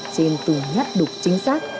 trên từng nhắt đục chính xác